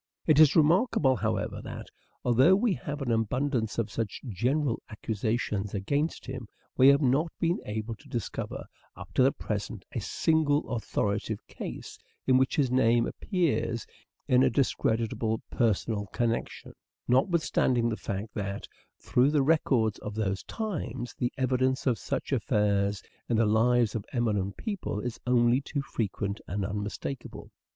It is remarkable, however, that, although we have an abundance of such general accusations against him, we have not been able to discover, up to the present, a single authoritative case in which his name appears in a discreditable personal connection ; notwithstanding the fact that, through the records of those times, the evidence of such affairs in the lives of eminent people is only too frequent and unmistakable.